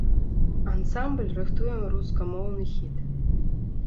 Ансамбль рыхтуе рускамоўны хіт.